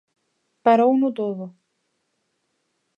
Parouno todo.